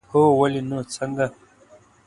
هو، ولې نه، څنګه؟